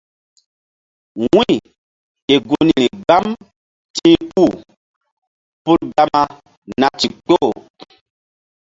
Wu̧y ke gunri gbam ti̧h puh pul Gama na ndikpoh.